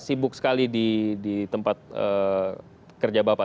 sibuk sekali di tempat kerja bapak